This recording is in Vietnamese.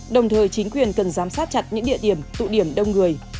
đồng thời chính quyền cần giám sát chặt những địa điểm tụ điểm đông người